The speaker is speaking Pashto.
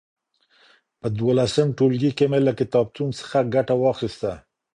په دولسم ټولګي کي مي له کتابتون څخه ګټه واخيسته.